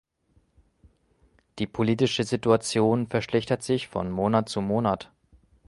Die politische Situation verschlechtert sich von Monat zu Monat.